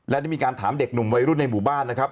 และได้มีการถามเด็กหนุ่มวัยรุ่นในหมู่บ้านนะครับ